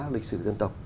lịch sử dân tộc